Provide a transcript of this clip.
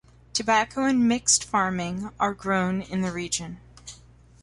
Tobacco and mixed farming are grown in the region.